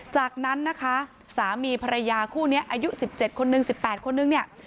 จากนั้นนะคะสามีภรรยาคู่นี้อายุ๑๗คนนึง๑๘คนนึงเนี่ย